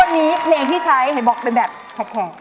วันนี้เป็นเพลงที่ใช้หายบ๊อกเป็นแบบแคลกแคลก